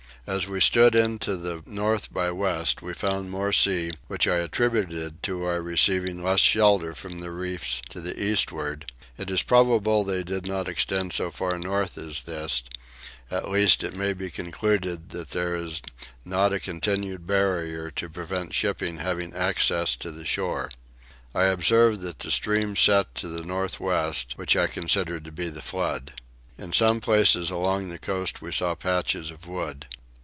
As we stood to the north by west we found more sea, which I attributed to our receiving less shelter from the reefs to the eastward: it is probable they did not extend so far north as this; at least it may be concluded that there is not a continued barrier to prevent shipping having access to the shore. I observed that the stream set to the north west, which I considered to be the flood. In some places along the coast we saw patches of wood.